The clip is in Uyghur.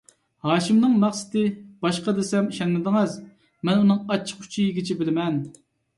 ھاشىمنىڭ مەقسىتى باشقا دېسەم ئىشەنمىدىڭىز، مەن ئۇنىڭ ئاچچىق ئۈچىيىگىچە بىلىمەن.